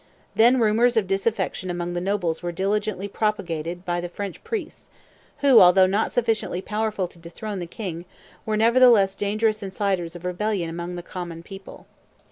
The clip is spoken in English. Then rumors of disaffection among the nobles were diligently propagated by the French priests, who, although not sufficiently powerful to dethrone the king, were nevertheless dangerous inciters of rebellion among the common people.